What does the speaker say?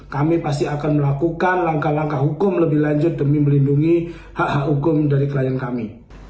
kami pasti akan melakukan langkah langkah hukum lebih lanjut demi melindungi hak hak hukum dari klien kami